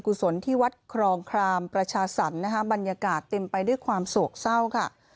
กศลที่วัดครองครามประชาสรรค์นะคะบรรยากาศเต็มไปด้วยความโศกเศร้าค่ะ